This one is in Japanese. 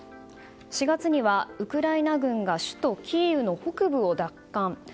４月にはウクライナ軍が首都キーウの北部を奪還。